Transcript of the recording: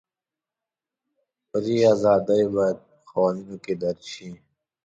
فري ازادۍ باید په قوانینو کې درج شي.